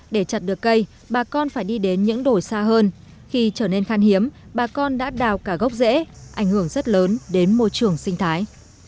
để chặt được cây bà con phải đi đến những đổi xa hơn khi trở nên khan hiếm bà con đã đào cả gốc rễ ảnh hưởng rất lớn đến môi trường sinh thái